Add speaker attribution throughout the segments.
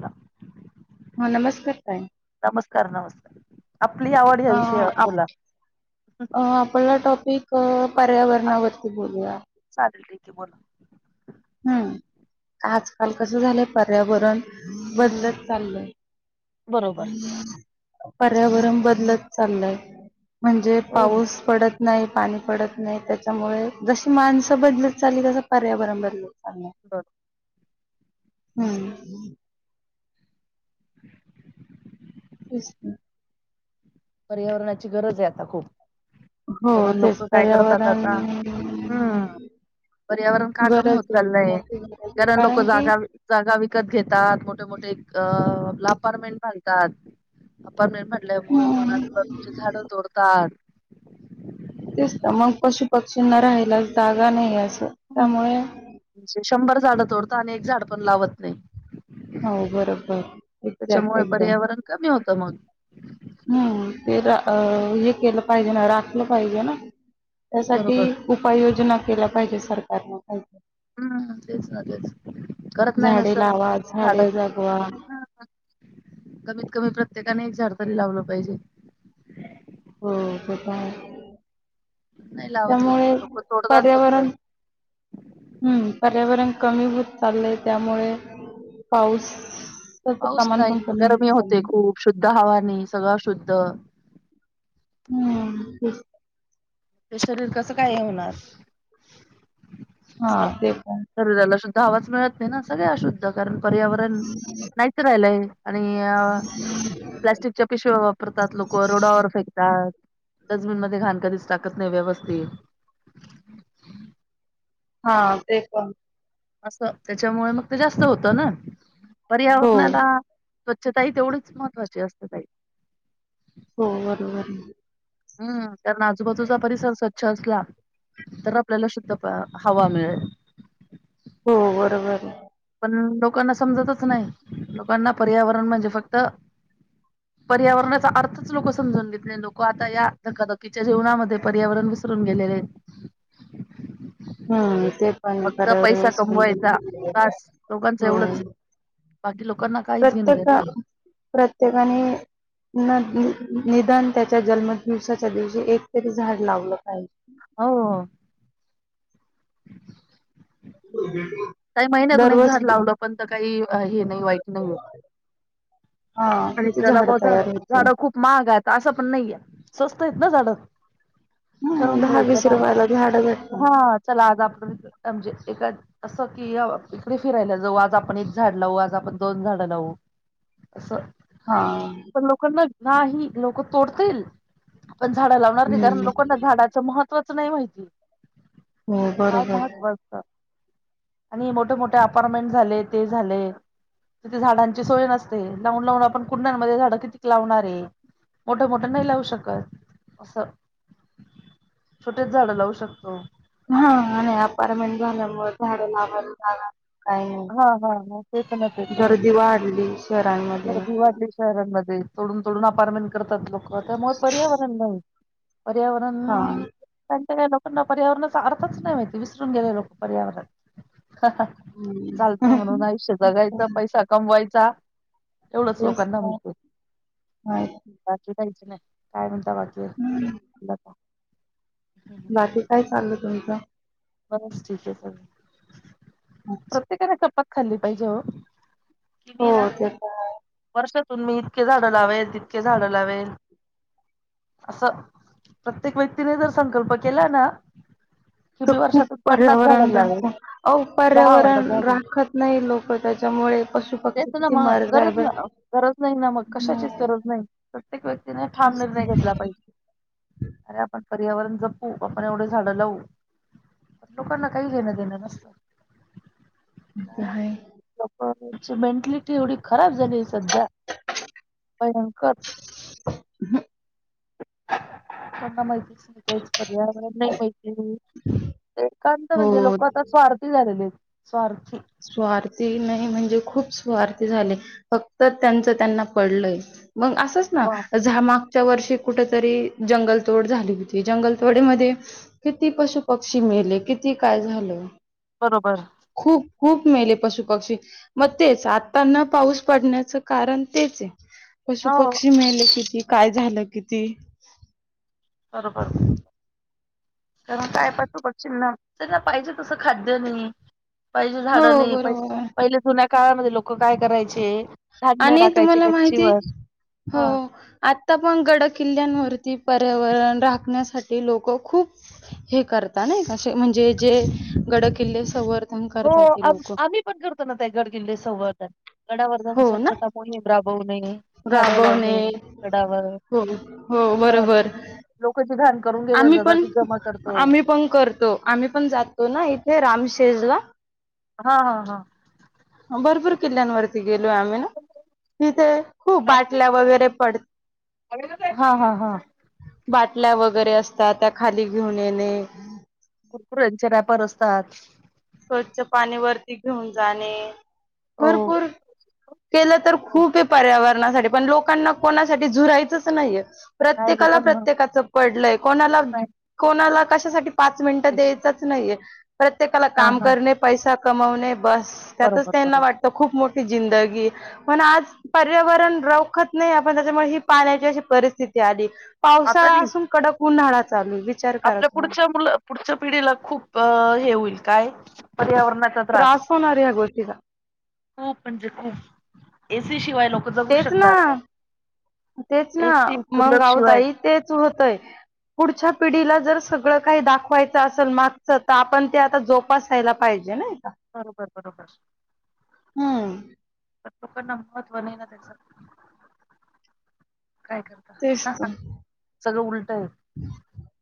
Speaker 1: का
Speaker 2: हा नमस्कार ताई
Speaker 1: नमस्कार नमस्कार आपली आवड या
Speaker 2: अ
Speaker 1: विषयावर
Speaker 2: आप
Speaker 1: बोला
Speaker 2: ते टॉपिक अ पर्यावरणावरती बोलूया
Speaker 1: चालेल ठीक आहे बोला
Speaker 2: हम्म आजकाल कसं झालंय पर्यावरण बदलत चाललय.
Speaker 1: बरोबर.
Speaker 2: पर्यावरण बदलत चाललंय. म्हणजे
Speaker 1: हो हो
Speaker 2: पाऊस पडत. नाही पाणी पडत नाही. त्याच्यामुळे जशी माणसं बदलत चाललीय हे पर्यावरण बदलत चाललय.
Speaker 1: बर
Speaker 2: हम् तेच ना
Speaker 1: पर्यावरणाची गरज आहे. आता खूप
Speaker 2: हो
Speaker 1: कारण
Speaker 2: तेच
Speaker 1: लोक काय करतात.
Speaker 2: पर्यावरण
Speaker 1: आता हम्म पर्यावरण का कमी
Speaker 2: गरज
Speaker 1: होत
Speaker 2: आहे खूप
Speaker 1: चाललंय.
Speaker 2: मोठी गरज आहे
Speaker 1: कारण लोक
Speaker 2: की
Speaker 1: जागा जागा विकत घेतात मोठे मोठे अ अपार्टमेंट बांधतात अपार्टमेंन्ट बांधल्यामुळे मग
Speaker 2: हम्म
Speaker 1: आजूबाजूची झाडे तोडतात
Speaker 2: तेच ना मग पशु पक्षींना राहायलाच जागा नाही असं त्यामुळे
Speaker 1: शंभर झाडं तोडतं आणि एक झाड पण लावत नाही
Speaker 2: हो बरोबर एक्झॅक्ट
Speaker 1: त्याच्यामुळे
Speaker 2: एकदम
Speaker 1: पर्यावरण कमी होतं मग
Speaker 2: हम्म ते तर अह हे केलं पाहिजे ना राखलं पाहिजे ना त्यासाठी
Speaker 1: बरोबर
Speaker 2: उपाययोजना केल्या पाहिजे सरकारनं काही
Speaker 1: हम्म तेच ना तेच करत नाही तस
Speaker 2: झाडे लावा
Speaker 1: झाड,
Speaker 2: झाडे जगवा
Speaker 1: हा कमीत कमी प्रत्येकाने एक झाड तरी लावलं पाहिजे.
Speaker 2: हो ते तर आहे,
Speaker 1: नाही लावत लोक
Speaker 2: त्यामुळे
Speaker 1: लोक तोडतात फक्त.
Speaker 2: पर्यावरण हम्म पर्यावरण कमी होत चाललंय त्यामुळे पाऊस त्याचं
Speaker 1: पाऊस
Speaker 2: प्रमाण पण
Speaker 1: नाही
Speaker 2: कमी होत
Speaker 1: गरमी होते
Speaker 2: चाललंय
Speaker 1: खूप, शुद्ध हवा नाही सगळं अशुद्ध
Speaker 2: हम्म तेच
Speaker 1: ते शरीर कसं काय होणार
Speaker 2: हा
Speaker 1: असं
Speaker 2: ते पण
Speaker 1: शरीराला शुद्धा हवाच मिळत नाही ना सगळे अशुद्ध कारण पर्यावरण नाहीच राहिलंय. आणि अह प्लास्टिकच्या पिशव्या वापरतात लोक रोडावर फेकतात. डस्टबिन मध्ये घाण कधीच टाकत नाही व्यवस्थित
Speaker 2: हा ते पण
Speaker 1: असं त्याच्यामुळे मग ते जास्त होतं ना
Speaker 2: हो
Speaker 1: पर्यावरणाला स्वच्छताही तेवढीच महत्वाची असते ताई.
Speaker 2: हो बरोबर.
Speaker 1: हम्म कारण आजूबाजूचा परिसर स्वच्छ असला तर आपल्याला शुद्ध प्र हवा मिळेल.
Speaker 2: हो बरोबर.
Speaker 1: पण लोकांना समजतच नाही, लोकांना पर्यावरण म्हणजे फक्त पर्यावरणाचा अर्थच लोक समजून घेत नाही लोक आता या धकाधकीच्या जीवनामध्ये पर्यावरण विसरून गेलेले आहेत.
Speaker 2: हा ते पण आहे
Speaker 1: फक्त पैसा
Speaker 2: पर्यावरणच पण
Speaker 1: कमवायचा
Speaker 2: आहे.
Speaker 1: बास लोकांच एवढंच
Speaker 2: हो
Speaker 1: बाकी लोकांना काहीच घेणदेणं नाही.
Speaker 2: प्रत्येक प्रत्येकाने अह निदान त्याच्या जन्म दिवसाच्या दिवशी एकतरी झाड लावलं पाहिजे.
Speaker 1: हो. हम्
Speaker 2: [inaudible]
Speaker 1: काही महिन्यातून एक
Speaker 2: दररोज
Speaker 1: झाड लावलं पण तर काही हे नाही वाईट नाही होत.
Speaker 2: हा
Speaker 1: आणि
Speaker 2: किती
Speaker 1: ज्याला भा झाड
Speaker 2: तयार होते
Speaker 1: झाडं खूप महाग आहेत असं पण नाहीये स्वस्त आहेत ना झाड.
Speaker 2: हम्म
Speaker 1: ठरून
Speaker 2: दहा
Speaker 1: घ्यायचं
Speaker 2: वीस
Speaker 1: ना
Speaker 2: रुपयाला झाड भेटतात
Speaker 1: हा चला आज आपण म्हणजे [unintelligible] की इकडे फिरायला जाऊ आज आपण एक झाड लावू, आज आपण दोन झाडं लावू असं
Speaker 2: हा.
Speaker 1: पण लोकांना नाही लोक तोडतील पण झाडं लावणार नाही कारण
Speaker 2: हम्म
Speaker 1: लोकांना झाडा महत्वाचं नाही माहिती
Speaker 2: हो
Speaker 1: काय
Speaker 2: बरोबर
Speaker 1: महत्व असत आणि मोठे मोठे अपार्टमेंट झाले ते झाले तिथे झाडांची सोय नसते लावून लावून आपण कुंड्यांमध्ये झाडं कितीक लावणारे मोठं मोठं नाही लावू शकत असं छोटेच झाड लावू शकतो.
Speaker 2: हा नाही अपार्टमेंट भरल्यामुळे झाडं लावायाला जागा नाही.. काही नाही
Speaker 1: हा हा हा ते पण आहे ते पण आहे
Speaker 2: गर्दी वाढली शहरांमध्ये.
Speaker 1: गर्दी वाढली शहरांमध्ये तोडून तोडून अपारमेंट करतात लोक त्यामुळे पर्यावरण नाही. पर्यावरण.
Speaker 2: हा
Speaker 1: त्यांणच्या काही लोकांना पर्यावरणाचा अर्थच नाही माहिती विसरून गेले लोक पर्यावरण हा हा..
Speaker 2: हं.
Speaker 1: चालतं म्हणून आयुष्य जगायचं पैसा कमवायचा. एवढंच
Speaker 2: तेच
Speaker 1: लोकांना
Speaker 2: तर.
Speaker 1: माहितीये,
Speaker 2: माहिती.
Speaker 1: बाकी काहीच नाही, काय म्हणता बाकी?
Speaker 2: हम्..
Speaker 1: बर का.. हम..
Speaker 2: बाकी काय चागलं तुमचं?
Speaker 1: बस ठीक आहे..
Speaker 2: अच्छा.
Speaker 1: प्रत्येकाने खपत खाल्ली पाहिजे हो.. कि
Speaker 2: हो
Speaker 1: मी ना
Speaker 2: ते आहे.
Speaker 1: वर्षातून मी इतके झाडं लावेल तितके झाडं लावेल. असं प्रत्येक व्यक्तीने तर संकल्प केला ना कि
Speaker 2: तर
Speaker 1: मी
Speaker 2: खूप
Speaker 1: वर्षातून पन्नास
Speaker 2: पर्यावरण
Speaker 1: झाडं लावेल
Speaker 2: राहतो अहो
Speaker 1: दहा वाडं
Speaker 2: पर्यावरण
Speaker 1: झाडे
Speaker 2: राखत नाही लोक त्याच्यामुळे पशु
Speaker 1: तेच
Speaker 2: पक्षी
Speaker 1: ना
Speaker 2: किती
Speaker 1: मग
Speaker 2: मरत आहे
Speaker 1: गरज
Speaker 2: बर
Speaker 1: ना गरज नाही ना मग कशाचीच गरज नाही प्रत्येक व्यक्तीने ठाम निर्णय घेतला पाहिजे.. अरे आपण पर्यावरण जपू आपण एवढे झाडं लावू.. लोकांना काही घेणं देणं नसतं.
Speaker 2: तेच काय आहे..
Speaker 1: ची मेंटॅलिटी एवढी खराब झाली असेल त्या भयंकर.. त्यांना माहितीच नाही तेच पर्यावरण नाही पाहत एकांत म्हणजे
Speaker 2: हो.
Speaker 1: लोक आता स्वार्थी झालेले आहेत.. स्वार्थी..
Speaker 2: स्वार्थी नाही म्हणजे खूप स्वार्थी झाले फक्त त्यांचं त्यांना पडलंय.. मग असच
Speaker 1: वा,
Speaker 2: ना.. मागच्या वर्षी कुठेतरी जंगलतोड झाली होती जंगलतोडीमध्ये किती पशु पक्षी मेले किती काय झालं
Speaker 1: बरोबर..
Speaker 2: खूप खूप मेले पशु पक्षी.. मग तेच आता न पाऊस पडण्याचं कारण तेच आहे. पशु
Speaker 1: हो
Speaker 2: पक्षी मेले किती काय झालं किती
Speaker 1: बरोबर बरोबर.. कारण काय पशु-पक्षी ना पाहिजे तसं खाद्य नाही. पहिले झाडं
Speaker 2: हो
Speaker 1: नाही प
Speaker 2: बरोबर आहे.
Speaker 1: पहिले जुन्या काळामध्ये लोक काय करायचे धान्य
Speaker 2: आणि
Speaker 1: टाकायचे
Speaker 2: तुम्हाला माहिती?
Speaker 1: गच्चीवर
Speaker 2: हो..
Speaker 1: हा
Speaker 2: आ आता पण गड किल्ल्यांवरती पर्यावरण राखण्यासाठी लोक खूप हे करता नाही अस म्हणजे जे गड किल्लेवर
Speaker 1: हो आ आम्ही पण करतो ना ते गड किल्ले संवर्धन गडावर जाऊन
Speaker 2: हो ना
Speaker 1: स्वच्छता कोणीच राबवू नये.
Speaker 2: राबवणे हो हो बरोबर.
Speaker 1: लोकांची घाण करून गेलेले
Speaker 2: आम्ही
Speaker 1: जातात
Speaker 2: पण
Speaker 1: ती जमा करतो
Speaker 2: आम्ही पण करतो. आम्ही पण जातो ना इथे रामशेजला
Speaker 1: हा हा हा.
Speaker 2: भरपूर किल्ल्यांवरती गेलोय आम्ही. तिथे खूप बाटल्या वगैरे पड
Speaker 1: हा हा हा
Speaker 2: बाटल्या वगैरे असतात. त्या खाली घेऊन येणे.
Speaker 1: कुरकुऱ्यांचे व्यापार असतात.
Speaker 2: स्वच्छ पाणी वरती घेऊन जाणे.
Speaker 1: हो
Speaker 2: भरपूर केलं तर खूप हे पर्यावरण कोणासाठी पण लोकांना कोणासाठी झुरायचंच नाहीये.
Speaker 1: नाही
Speaker 2: प्रत्येकाला
Speaker 1: लोकांना
Speaker 2: प्रत्येकाचं पडलंय कोणाला
Speaker 1: नाही
Speaker 2: कोणाला कशासाठी पाच मिनटं
Speaker 1: पैसे
Speaker 2: द्यायचं. नाहीये प्रत्येकाला
Speaker 1: हा
Speaker 2: काम
Speaker 1: हा
Speaker 2: करने पैसा कमवणे बसं त्यातच
Speaker 1: बरोबर
Speaker 2: त्यांना
Speaker 1: बरोबर
Speaker 2: वाटतं. खूप मोठी जिंदगी पण आज पर्यावरण रोखत नाही. आपण त्याच्यामुळे ही पाण्याची अशी परिस्थिती आली.
Speaker 1: आता
Speaker 2: पावसाळा
Speaker 1: नाही
Speaker 2: असून कडक उन्हाळा चालूये वित
Speaker 1: आपल्या पुढच्या मुलं पुढच्या पिढीला खूप हे होईल काय पर्यावरणात
Speaker 2: त्रास होनाराय ह्या गोष्टीचा.
Speaker 1: खूप म्हणजे खूप एसी शिवाय लोक- जगू
Speaker 2: तेच ना
Speaker 1: शकणार
Speaker 2: तेच
Speaker 1: नाही
Speaker 2: ना
Speaker 1: एसी कुलर
Speaker 2: मग
Speaker 1: शिवाय
Speaker 2: आवताई तेच होतय. पुढच्या पिढीला जर सगळं काही दाखवायचं असल ना तर आपण ते आता जोप तपसायला पाहिजे नाही का?
Speaker 1: बरोबर बरोबर.
Speaker 2: हम्म
Speaker 1: लोकांना महत्व नाही ना त्याच काय करत
Speaker 2: तेच तर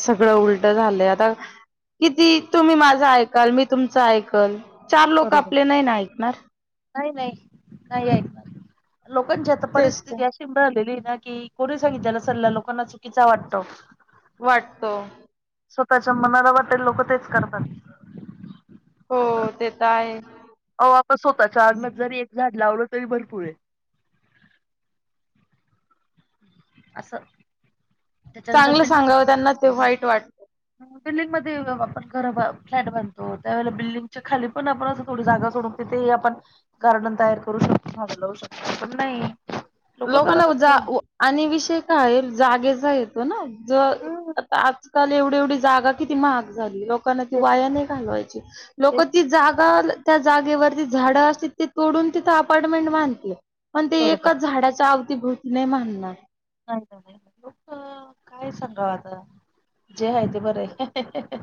Speaker 2: सगळं उलट झालंय आता किती तुम्ही माझा ऐकाल मी तुमच ऐकल चार लोकं
Speaker 1: बरोबर
Speaker 2: आपले नाही ना ऐकणार.
Speaker 1: नाही नाही नाही ऐकणार लोकांची आता
Speaker 2: तेच तर.
Speaker 1: परिस्थिती अशी [unintelligible] झालेली ना की करू सांगितल्याला सल्ला लोकांना चुकीचा वाटतो.
Speaker 2: वाटतो.
Speaker 1: स्वतःच्या मनाला वाटेल लोकं तेच करतात.
Speaker 2: हो ते तर आहे.
Speaker 1: ओ आपण स्वतःच्या अंगणात जरी एक झाडं लावलं तरी भरपुर ये असं. त्याच्यानंतर
Speaker 2: चांगलं सांगावं त्यांना ते वाईट वाट
Speaker 1: बिल्डिंग मध्ये आपण घरं बांध फ्लॅट बनतो. त्यावेळेला बिल्डिंगच्या खाली पण आपण असं थोडी जागा सोडून तिथेही आपण गार्डन तयार करू शकतो. झाडे लावू शकतो पण नाही. लोक
Speaker 2: लोकांना
Speaker 1: करत असं.
Speaker 2: उजाव आणि विषय काय आहे. जागेचा येतो ना जो
Speaker 1: हम्म
Speaker 2: आजकाल एवढे एवढी जागा किती महाग झालीय. लोकांना ती
Speaker 1: ते तर-
Speaker 2: वाया नाही घालवायची.
Speaker 1: ते
Speaker 2: लोकं
Speaker 1: तर
Speaker 2: ती जागा त्या जागेवरती झाडं असतील ते तोडून तिथं अपार्टमेंट बांधतेय. पण ते
Speaker 1: बरोबर
Speaker 2: एकाच झाडाच्या अवतीभोवती नाही मानणार.
Speaker 1: नाही ना नाही लोक काय सांगाव आता, जे आहे ते बरं आहे.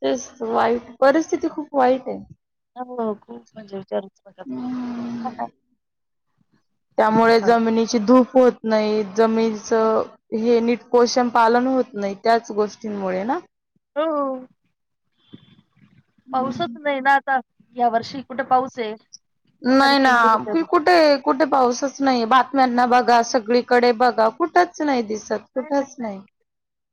Speaker 2: तेच वाईट परिस्थिती खूप वाईट हायं.
Speaker 1: हो खूप म्हणजे विचारूच नका तुम्ही.
Speaker 2: त्यामुळे जमिनीची धूप होत नाही, जमिनीचं हे नीट पोषण पालन होत नाही त्याच गोष्टींमुळे ना?
Speaker 1: हो पाऊसच नाही ना आता. या वर्षी कुठे पाऊस आहे. तारीख
Speaker 2: नाही ना
Speaker 1: येऊन गेली तरी
Speaker 2: [unintelligible] कुठे? कुठे पाऊसच नाही, बातम्यांना बघा सगळीकडे बघा कुठंच नाही दिसत. कुठंच नाही.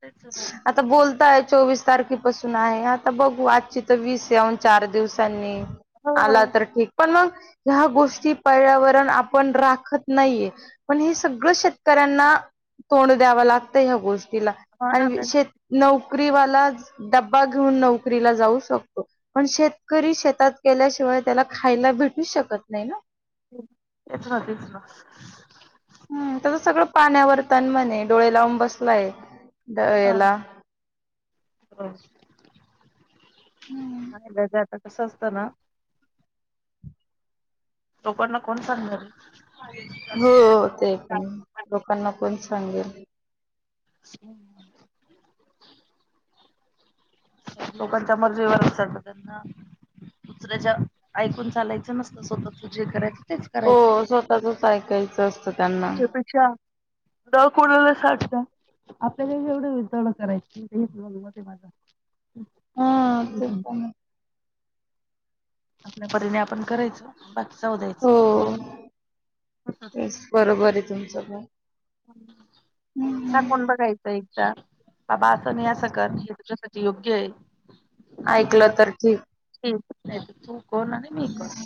Speaker 1: तेच ना.
Speaker 2: आता बोलताय चोवीस तारखेपासून आहे आता बघू आजची तर वीस या ऊन चार दिवसांनी.
Speaker 1: हो
Speaker 2: आला तर ठीक पण मग ह्या गोष्टी पर्यावरण आपण राखत नाहीये. पण हे सगळं शेतकऱ्यांना तोंड द्याव लागतं ह्या गोष्टीला
Speaker 1: हो ना
Speaker 2: आणि शेत
Speaker 1: त्यांची
Speaker 2: नोकरीवालाच डब्बा घेऊन नोकरीला जाऊ शकतो. पण शेतकरी शेतात गेल्याशिवाय त्याला खायला भेटू शकत नाही ना.
Speaker 1: ते तर आहेच ना.
Speaker 2: हम् त्याचं सगळं पाण्यावरताण म्हणे डोळे लावून बसलाय दरवेळेला
Speaker 1: [unintelligible] आता कसं असतं ना लोकांना कोण सांगणार?
Speaker 2: हो ते पण आहे, लोकांना पण सांगेल?
Speaker 1: [inaudible] लोकांच्या मर्जीवर [unintelligible] त्यांना. दुसऱ्याच्या ऐकून चालायचं नसत स्वतः तू जे करायचं तेच करायचं.
Speaker 2: त्याजच ऐकायचं असतं त्यांना.
Speaker 1: [unintelligible] पेक्षा न कोणाला सागंता आपल्याला ही
Speaker 2: हा ते
Speaker 1: [unintelligible] [inaudible]
Speaker 2: पण
Speaker 1: आपल्यापरिने आपण करायचं. बाकी जाऊदे.
Speaker 2: हो तेच बरोबर आहे तुमचं पण.
Speaker 1: [inaudible] सांगून बघायचं एकदा बाबा असं नाही असं कर हे तुझ्यासाठी योग्य आहे.
Speaker 2: ऐकलं तर ठीक.
Speaker 1: नाही तर तू कोण आणि मी कोण?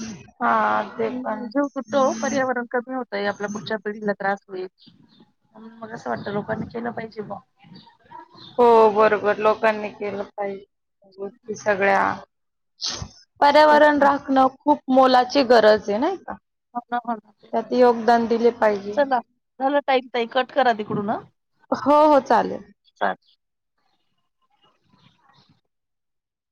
Speaker 2: हा! ते पण
Speaker 1: जीव तुटतो पर्यावरण कमी होतंय आपल्या पुढच्या पिढीला त्रास होईल. म्हणून मग असं वाटतं लोकांनी केलं पाहिजे बा.
Speaker 2: हो बरोबर लोकांनी केलं पाहिजे गोष्टी सगळ्या.
Speaker 1: तेच
Speaker 2: पर्यावरण राखणं खूप मोलाची गरज आहे नाही का?
Speaker 1: हो ना हो ना तेच
Speaker 2: त्यात
Speaker 1: ना
Speaker 2: योगदान दिले पाहिजे.
Speaker 1: चला झालं टाईम ताई कट करा तिकडून.
Speaker 2: हो हो चालेल.
Speaker 1: [inaudible]